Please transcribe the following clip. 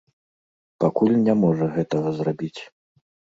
Пакуль не можа гэтага зрабіць.